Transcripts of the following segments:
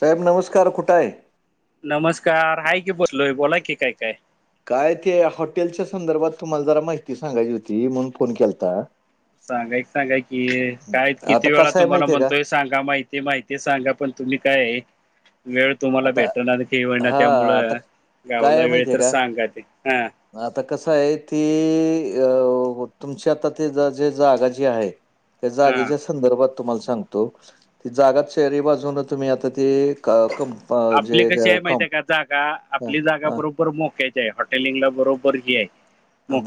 साहेब नमस्कार कुठ आहे. नमस्कार,, हाय की बसलोय, बोला की काय, कायऽ काय ते हॉटेलच्या संदर्भात तुम्हाला जरा माहिती सांगायची होती,, म्हणून फोन केलाताऽ सांगायक, सांगाय की, काय किती आता वेळा कसं आहे तुम्हाला माहितीये का म्हणतोयऽ सांगा माहिती माहिती सांगा पण तुम्ही काय आहे वेळ तुम्हाला आता भेटणार काही वळ ना हा त्यामुळ आता काय गावाला आहे वेळ माहितीये तर का सांगा ते हा आता कसं आहे ती अ तुमची आता ते जे जागा जी आहे त्या हा जागेच्या संदर्भात तुम्हाला सांगत जागात शहरी बाजून तुम्ही आता ते क आपले जे कसे आहे माहित कम आहे का जागा हा, आपली जागा हा, बरोबर मोक्याची हॉटेलिंगला बरोबर आहे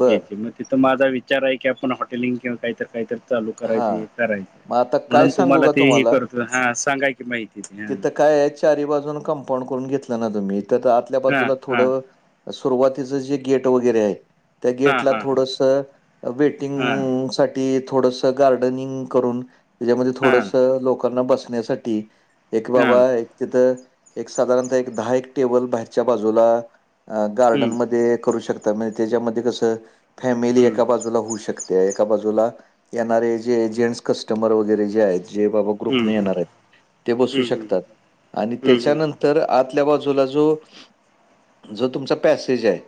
बर तिथ माझा विचार आहे की आपण हॉटेलिंग किंवा काहीत तर काहीत. चालू करायच हा करायच मग आता काय म्हणून सांगू तुम्हाला का ते हे करत हा सांगाय की माहिती ते हा तिथं काय आहे चारी बाजून कंपाऊंड करून घेतलं ना तुम्ही तर आतल्या हा बाजूला हा थोडं सुरुवातीचं जे गेट वगैरे आहे. त्या हा गेटला हा हा थोडस हा वेटिंग साठी थोडस गारडनिंग करून त्यामध्ये हा थोडस लोकांना बसण्यासाठी एक हा बाबा एक तिथं एक साधारणतः एक दहा एक टेबल बाहेरच्या बाजूला हम्म गार्डनमध्ये करू शकता म्हणजे त्याच्यामध्ये कसं फॅमिली हम्म एका बाजूला होऊ शकत. त्या एका बाजूला येणारे जे जेंट्स कस्टमर वगैरे जे आहेत जे बाबा ग्रुपणे हम्म हम्म येणार आहे ते बसू हम्म शकतात आणी हम्म त्याच्या नंतर हम्म तर आतल्या बाजूला जो जो तुमचा पॅसेज आहे.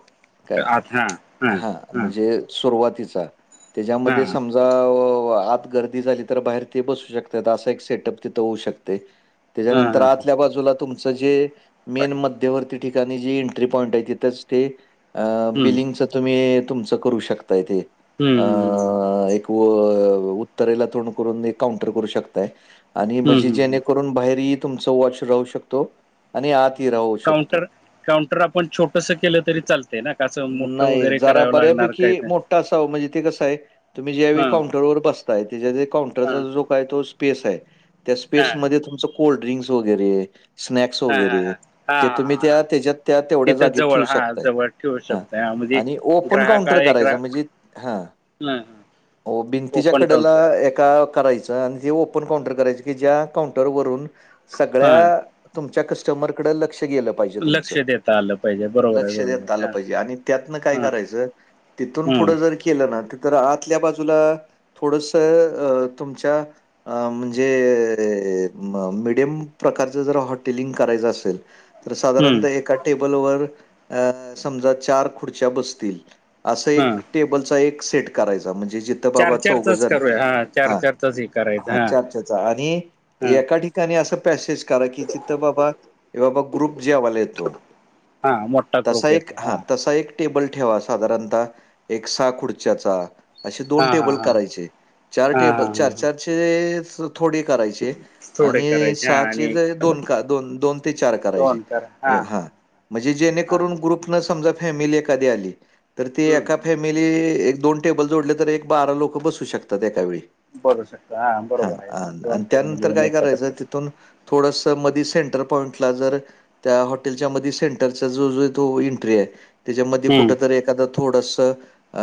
काय हा म्हणजे सुरवाती हा त्याच्यामध्ये सम आत गर्दी झाली तर बाहेर ते बसू शकत अस सेटअप तिथ होऊ शकते. हा त्याच्यानंतर आतल्या बाजूला. तुमच जे मेन मध्यवर्ती ठिकाणी जे एंट्री पॉईंट आहे तिथंच ते अ हम्म बिलिंगच तुम्ही तुमचं करू शकताय ते हम् अ, हम हम ह. एक उत्तरेला तोड करून काउंटर करू शकताय. आणि म्हजी हम्म जेणेकरून बाहेरही तुमचा वॉच राहू शकतो. आणि आतही राहू शकतो. काउंटर काउंटर आपण छोटस केलं तरी चालत ना का असं मोठं नाही वगैरे जरा करावं लागणार बऱ्यापैकी काय ते मोठा असा म्हणजे ते कसं आहे तुम्ही ज्यावे हा काउंटर वर बसताय त्या हा हा काउंटरचा जो काय तो स्पेस आहे त्या हा स्पेस मध्ये तुमच. कोल्ड्रिंक्स वगैरे. स्नॅक्स वगैरे हा हा हे तुम्ही हा हा त्या त्याच्यात त्या तेवढ्या तिथं जागी जवळ ठेवू हा शकताय. जवळ ठेवू हा शकतोय म्हणजे आणि ओपन ग्राहक काउंटर आहे ग्रा करायचं म्हणजे हा. ह ह हो भिंतीच्या कडेला एका. करायच आणि ते ओपन काउंटर करायच की ज्या काउंटर वरुन हा सगळ्या. तुमच्या कस्टमरकडे लक्ष गेलं पाहीजे तुमचं लक्ष देता आलं पाहिजे बरोबर आहे लक्ष देता बरोबर आहे आलं हा पाहिजे आणी त्यातण काय हा करायच हम्म तिथूनपुढे केलं ना तर आतल्या बाजूला थोडस तुमच्या अ म्हणजे मीडियम प्रकारच जर हॉटेलिंग करायचं असेल. तर हम्म साधारणत एका टेबलवर अ समजा चार खुर्च्या बसतील. असं हा एक टेबलचा एक सेट करायचा म्हणजे ज चार बाबा चारचाच चौघजण करूया चार हा चारचाच हे करायचं हा चार चचा आणि हा एका ठिकाणी असं पॅसेज करा की चितथ बाबा बाबा ग्रुप जेवायला येतो. हा मोठा तसा ग्रुप एक येतो हा तसा एक टेबल ठेवा साधारणतः एक सहा खुर्च्याचा असे हा दोन हा टेबल हा करायचे चार हा टेबल हा हा चार चारचे थोडे करायचे थोडे आणि करायचे हा आणि सहाचे दोन दोन दोन ते चार करायचे. दोन करा हा म्हणजे हा जेणेकरून ग्रुप समजा फॅमिली एकादी आली तर ते हम्म एका फॅमिली एक दोन टेबल जोडले तर तर एक बारा लोक बसू शकतात एकावेळी. बरू शकतो हा बरोबर आहे अ आणि दोन फॅमिली त्यानंतर येऊन काय एकत्र करायचं करतात तिथून थोडस मधी सेंटर पॉईंटला जर त्या हॉटेलच्या मध्ये सेंटरचा जो जो तो एंट्री आहे. त्याच्यामध्ये हम्म कुठंतरी एखादं थोडस अ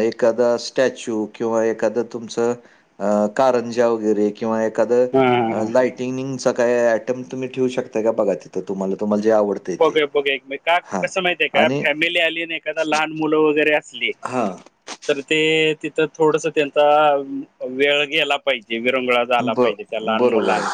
एख द स्टच्यू किंवा एखाद तुमच अ कारंजा वगैरे, किंवा एखादं हा हा हा हा लाटिंईनिंग च काही आयटम तुम्ही ठीवू शकता. काघ तिथं तुम्हाल तुमला जे आवड बघुया बघी का कसं माहितय आहे का? आणि फॅमिली आली नाही का? लहान मुलं वगैरे इसली हां. [unintelligible] तर ते तिथं थोडस त्यांचा वेळ गेला पाहिजे विरंगुळात. ब बरोबर आहे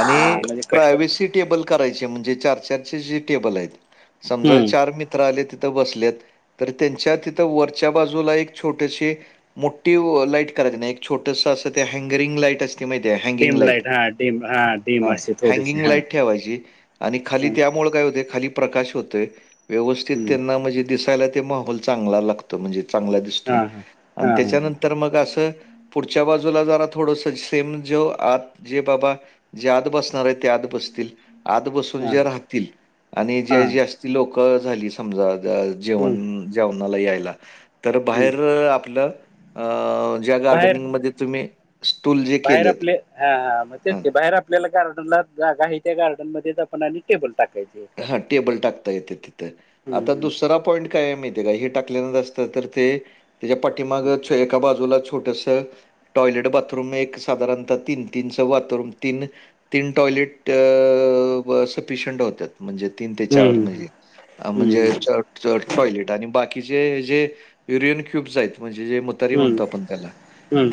आणि म्हणजे कष्ट प्रायवसी टेबल करायचे म्हणजे चारशे [unintelligible] टेबल हाय ती समजा हम्म चार मीत त्र आले तिथं बसलेत तर, त्यांच्या तिथं वरच्या बाजूला एक छोटेशी मोठी वो लाईट करगने एक छोटस असं ते हँगरिंग लाईट अस तेमाहिती का हँगिंग डिम लाईट हा डिम हा डिम ह असे थोडीशी हँगिंग हा लाईट ठेवाची. आणि खाली हा त्यामुळे, काय होते खाली प्रकाश होतोय वेवस्थित हम्म, त्यांना म्हणजे दियला ते माहोल चगला लागतो म्हेणजे हा हा [unintelligible] आन हा त्याच्यानंतर हा मग अस पुढच्या बाजूला ज थोडस ते म जो आत जे बाबा जे आत बसणार. आहे ते आत बसतील आत बसून हा जे राह आणि हा जे जास्ती लोक झाली समजा ज हम्म, जेवण जेवणाला यायला तर हम्म. बाहेर आपलं अ ज्या बाहेर गार्डिनिंग मधे तुम्ही स्टूल जे बाहेर केलेत आपले हा मग हं, तेच ते बाहेर आपल्याला, गार्डनला जागा आहे त्या गार्डनमध्ये पण आधी टेबल टाकायचे. हा करायचे टेबल टाकता येते तिथे हम्म, आता हम्म, दुसरा पॉईंट काय आहे माहीत. तेला हे टाक नसत तर ते त्याच्या पाठीमाग छ एका बाजूला छोटस त टॉयलेट बाथरूम एक धारणता तीन, तीन बाथरूम तीन तीन टॉयलेट अ ब सफिशयंट होत्यात. म्हणजे तीन ते चार हम्म, नही अ हम्म, म्हणजे हम्म, च चार ठोयलेट आणि बाकीचे जे युरियन क्युबस आहेत म्हणजे जे म तरी हम्म, म्हणतो आपण त्याला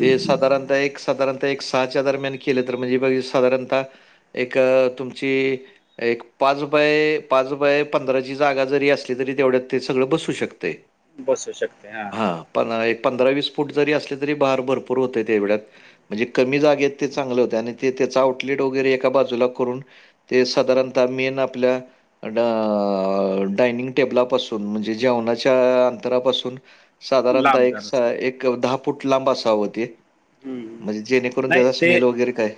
ते साधारता एक साधारणता एक सहाच्या दरम्यान केलं तर म्हणजे बघ साधारणता.. एक तुमची एक पाज पय पाज रुपय बाय पंधराची जागा जरी असली, तरी तेवढ्यात ते सगळं बसू शकतेय. बसू शकते हा. पन एक हा पंधरा वीस फूट जरी असले तरी बार भरपूर होतय एवढ्यात. म्हणजे कमी जागेत ते चांगलं होते. आणि ते त्याच आउटलेट वगैरे एका बाजूला करून ते साधारणत मीन आपल्या अडा डायनिंग टेबलापासून म्हणजे, जेवणाच्या अंतरापासून साधारणत लांब एक स जरासं एक दहा फूट लांब असाव ते हम्म, म्हणजे हम्म. जेणेकरून नाही त्याचा ते स्मेल वगैरे काय?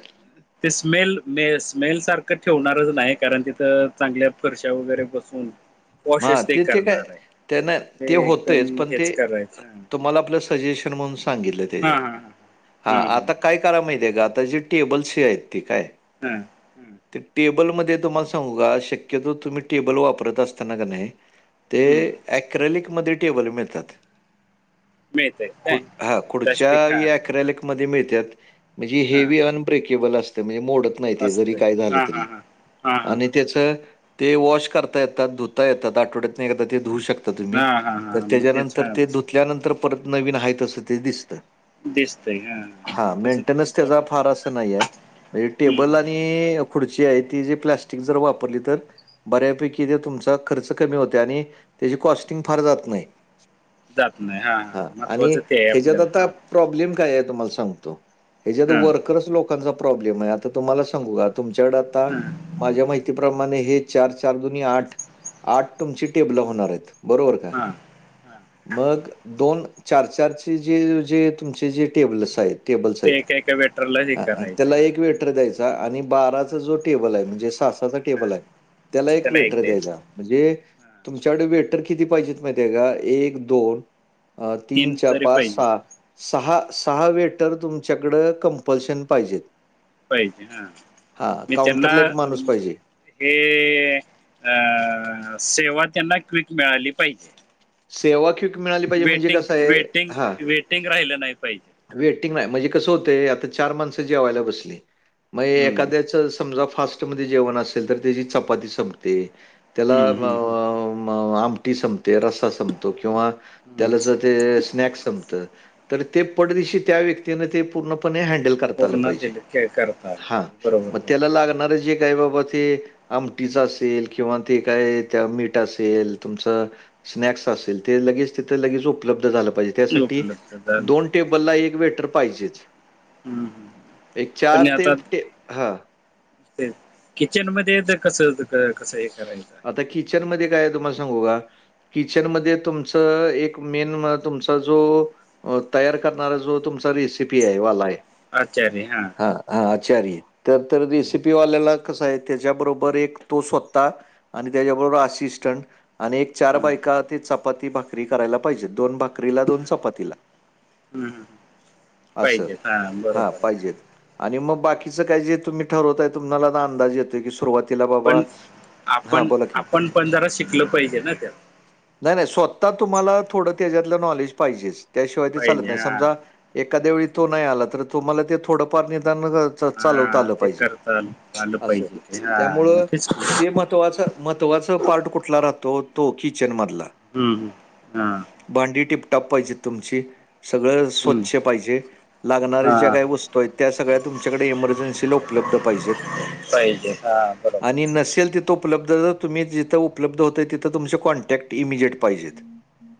ते स्मेल मेस स्मेल सारखं ठेवणारज नाही कारण तिथं चांगल्या फरशा वगैरे बसवून हा ते ते काय त्यांना ते होतयत एकदम पण हेच ते करायचं तुम्हाला आपलस सजेशन म्हणून सांगितलं हा त्येज्यात. हा हा आता काय कराय माहिती आहे का आता जी टेबलसी आहेत ती काय? हा हम्म. ते टेबलमध्येध्ये तुम्हाला सांगू का शक्यतो, तुम्ही टेबल वापरत असताना का नाही ते हम्म अॲक्रेलिकमध्ये टेबल मिळतात. मिळतय खू काय हा खुर्च्या प्लास्टिक हा हा अँक्रीलिक मध्ये मिळत्यात, मंजे हा हेवी अनब्रेकेबल असतय मंजे मोडत नाही. माहिती आहे जरी असतय काय झालं, हा तरी हा हा हा हा आणि हा त्याच ते वॉश करता येतात धुता येतात आठवड्यात, एकदा ते धुऊ शक त तुम्ही हा हा हा तर मग तेच त्याच्यानंतर हा ते तस धुतल्यानंतर, परत नवीन आहेत असं ते दिसतं. हा तस तस मेंटेनन्स त्या त्याचा फार पद्धती असं नाही आहे. म्हणजे टेबल हम्म आणि अ एप खुर्ची आहे ती जे प्लास्टिक जर वापरली तर, बऱ्यापैकी जे तुमचा खर्च कमी होतय आणि त्याची कॉस्टिंग फार जात नाही. जात नाही, हा हा हां. आणि महत्त्वाचं ते आहे, ह्याच्यात आपल्याला आता हा. प्रॉब्लेम काय हाय तुम्हाला सांगतो? हेंच्यात हा वरकर्स लोक लोकांचा प्रॉब्लेम हाय आता तुम्हाला सांगू का? तुमच्याकडे आता हा माझ्या माहिती उंची प्रमाणे हे चार चार दुनी आठ, आठ तुमची टेबल होणार आहेत बरोबर का? हा हा मग दोन चार चार चे जे जे तुमचे जे टेबलस आहेत. टेबल्स ते आहेत एका एका वेटरला हे हा करायचे त्याला एक वेट वेटर द्यायचा आणि बाराचा जो टेबल हाय म्हणजे सा साचा टेबल हाय, त्याला एक वेटर द्यायचा. म्हणजे तुमच्याकडे वेटर किती पाहिजेत माहिती आहे का? एक, दोन अ तीन, चार, तरी पाच, पाहिजे सहा सहा सहा वेटर तुमच्याकडं कंपल्शन पाहिजेत. पाहिजे हा हां, मी त्यांना काउंटरला माणूस पाहिजे. हे अ सेवा त्यांना क्विक मिळाली पाहिजे. सेवा क्विक मिळाली पाहिजे, म्हणजे वेटिंग कसं हाए? वेटिंग हा. वेटिंग राहिलं नाही पाहिजे वेटिंग नाही म्हणजे कसं होतय, आता चार माणसं जेवायला बसली, मग हम्म एखाद्याच असं समजा फास्टमध्ये जेवण असेल, तर त्याची चपाती संपते. त्याला आ हम्म हम्म म म आमटी संपते, रसा संपतो किंवा हम्म त्याला जर ते अ स्नॅक संपत, तर ते पटदिशी त्या व्यक्तीनं ते पूर्णपणे हॅण्डल क करता आल पूर्ण पाहिजे, दिले काय करता आलं हा पाहिजे बरोबर म त्याला बरोबर लागणार जे काही बाबा ते आमटीच, असेल किंवा ते काय त्या मीठ असेल, तुमच स्नॅक्स असेल ते तिथ लगेच उपलब्ध झालं पाहिजे. त्यासाठी उपलब्ध झालं दोन पाहिजे टेबलला एक वेटर पाहिजेच, हम्म हम्म एक पण चार टे आता टे हा ते किचन मध्ये अ ते कस कसं हे करायचं. आहे आता किचन मध्ये काय आहे, तुम्हाला सांगू का? किचनमध्ये तुमचं एक मेन मा तुमचा जो तयार करणारा, जो तुमचा रेसिपी हाय वाला हाय आचारी हा. हा हा आचारी तर तर रेसिपीवाल्याला कस हाय? त्याच्याबरोबर एक तो सोता आणि त्याच्याबरोबर असिस्टंट आणि एक चार हम्म, बायका ते चपाती भाकरी करायला पाहिजेत. दोन भाकरी भाकरीला, दोन चपातीला हम्म, हम्म. आस पाहिजेत हा बरोबर आहे पाहिजेत. आणि मग बाकीचं काय जे तुम्ही ठरवताय? तुम्हाला अंदाज येतोय, की सुरुवातीला बाबा पण हां, आपण बोला की. आपण पण जरा शिकल पाहिजे, ना त्यात नाही नाही सोत्ता तुम्हाला थोडं त्याच्यातलं नॉलेज पाहिजेच, त्याशिवाय ते चालत पाहिजे नाही हा समजा एखाद्या वेळी तो नाही आला, तर तुम्हाला ते थोडंफार निदान अ चालवता हा आलं ते पाहिजे, करता आलं आलं आस पाहिजे ते हा त्यामुळ मग तेच की. ते मन तुम्हाला सांगू महत्त्वाचा पार्ट कुठला राहतो? तो किचन मधला हुं हुं हा. भांडी टिपटॉप पाहिजेत, तुमची सगळं हम्म स्वच्छ पाहिजे. लागणारे ज्या हा काही वस्तू आहेत, त्या सगळ्या तुमच्याकडे इमर्जन्सीला उपलब्ध पाहिजेत. ते हा बरोबर आणि हाय. नसेल तिथं उपलब्ध जर तुम्ही जिथ उपलब्ध होतय, तिथं तुमचे कॉन्टॅक्ट इमिजिएट पाहिजेत.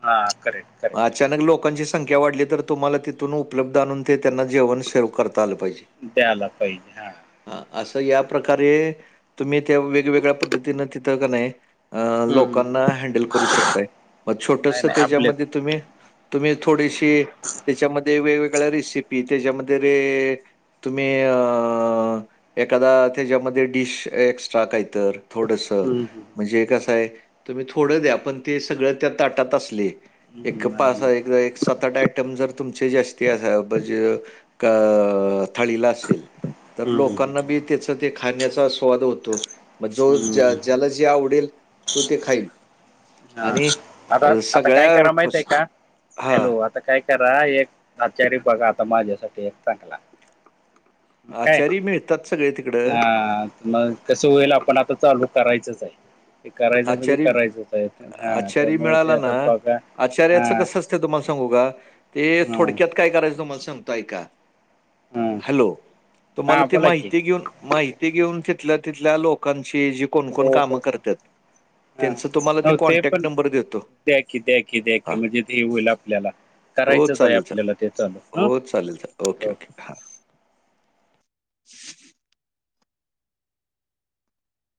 हा करेक्ट करेक्ट. अचानक लोकांची संख्या वाढली तर तुम्हाला तिथून उपलब्ध आणून ते त्यांना जेवण सेव करता आलं पाहिजे. द्यायला पाहिजे हा हा असं या प्रकारे तुम्ही त्या वेगवेगळ्या पद्धतीन तिथं का नाही. अ हम्म हम्म लोकांना हम्म. हँडल करू शकताय, मग नाही छोटस नाही आपले त्याच्यामध्ये तुम्ही. तुम्ही थोडीशी त्याच्यामध्ये वेगवेगळ्या रेसिपी त्याच्यामध्ये रेट तुम्ही अ एखादा त्याच्यामध्ये, डिश एक्स्ट्रा काहीतर थोडस हम्म हम्म म्हणजे कसं हाय, तुम्ही थोडं द्या पण ते सगळं त्या ताटात असले. एक हम्म, नाही पाच सहा, नाही एक एक सात आठ आयटम जर तुमचे जास्ती अस म्हणजे अ क थळीला असेल. तर हम्म हम्म लोकांना हम्म. बी त्याच ते खाण्याचा स्वाद होतो. मग जो हम्म, ज्या हम्म. ज्याला जे आवडेल तो ते खाईल. हा आणि आता अ, आता काय सगळ्या कराय माहित फस आहे का, हां. हॅलो आत आता काय करा एक आचारी बघा आता माझ्यासाठी एक चांगला. हाय आचारी मिळतात सगळे तिकडं. ना म कसं होईल आपण आता चालू करायचंच आहे ते करायचं म्हणजे आचारी करायचं. हा आचारी त्यामुळे ते मिळाला ना, आता बघा हा आचार्याचं कसं असतं तुम्हाला सांगू का ते हा थोडक्यात काय करायच तुमाला सगतो आयका हा हॅलो तुम्हाला हा ते बोला की माहिती घेऊन. माहिती घेऊन तिथल्या तिथल्या लोकांची जी कोणकण हो काम हो हो करतत्यात. हा त्यांच तुम्हाला ते हो कॉन्टॅक्ट पण नंबर देतो द्या की द्या की द्या हा. की म्हणजे ते होईल आपल्याला हो करायचंच आहे चालेल चालेल आपल्याला ते चालू हो चालेल चालेल. ओके ह ओके हां.